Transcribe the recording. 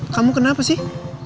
kamu kenapa sih